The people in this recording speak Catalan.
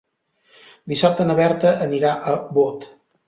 Dissabte na Berta anirà a Bot.